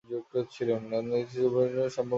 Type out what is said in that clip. অন্যদিকে ছিল Soviet Union ও সম্ভবতঃ চীন।